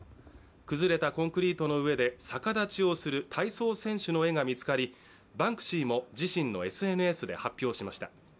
崩れたコンクリートの上で逆立ちをする体操選手の絵が見つかり、バンクシーも自身のＳＮＳで発表しました。